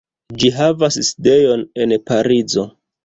Ĝi havas sidejon en Parizo.